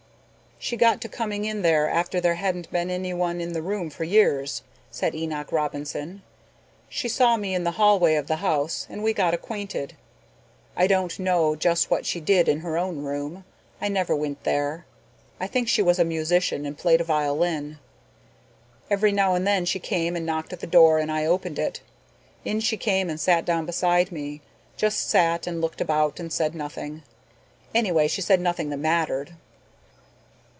"She got to coming in there after there hadn't been anyone in the room for years," said Enoch Robinson. "She saw me in the hallway of the house and we got acquainted. I don't know just what she did in her own room. I never went there. I think she was a musician and played a violin. Every now and then she came and knocked at the door and I opened it. In she came and sat down beside me, just sat and looked about and said nothing. Anyway, she said nothing that mattered."